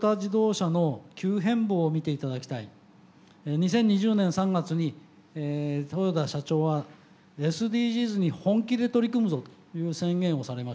２０２０年３月に豊田社長はＳＤＧｓに本気で取り組むぞという宣言をされました。